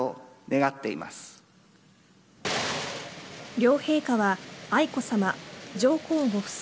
両陛下は愛子さま、上皇ご夫妻